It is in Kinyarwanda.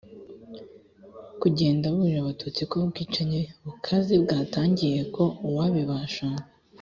kugenda aburira abatutsi ko ubwicanyi bukaze bwatangiye ko uwabibasha